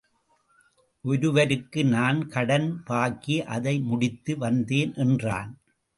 ஒருவருக்கு நான் கடன் பாக்கி அதை முடித்து வந்தேன் என்றான்.